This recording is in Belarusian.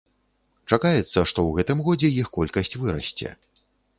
Чакаецца, што ў гэтым годзе іх колькасць вырасце.